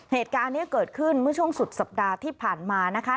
เหตุการณ์นี้เกิดขึ้นเมื่อช่วงสุดสัปดาห์ที่ผ่านมานะคะ